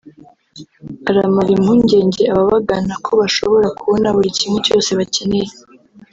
Aramara impungenge ababagana ko bashobora kubona buri kimwe cyose bakeneye